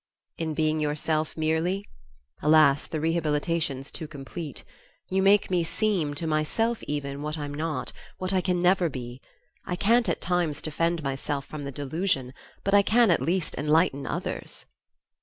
"In being yourself merely? Alas, the rehabilitation's too complete! You make me seem to myself even what I'm not; what I can never be. I can't, at times, defend myself from the delusion; but I can at least enlighten others."